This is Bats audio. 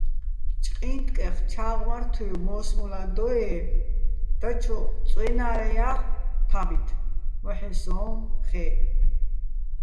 ჭკინტკეხ ჩა́ღმართუჲვ მო́სმულა დოე́ დაჩო წვენა́რეჼ ჲაყო̆ თა́ბით, მოჰ̦ე სოჼ ხე́ჸ.